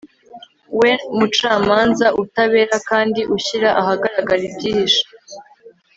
we mucamanza utabera kandi ushyira ahagaragara ibyihishe